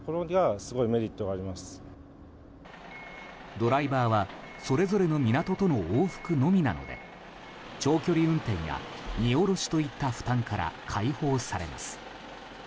ドライバーはそれぞれの港との往復のみなので長距離運転や、荷下ろしといった負担から解放されます。